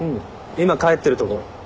今帰ってるとこ。